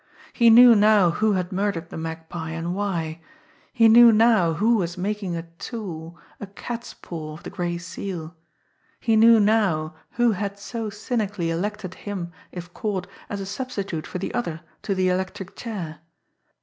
He knew now who had murdered the Magpie, and why; he knew now who was making a tool, a cat's paw of the Gray Seal; he knew now who had so cynically elected him, if caught, as a substitute for the other to the electric chair.